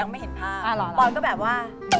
ไม่เห็นภาพปอนก็แบบว่า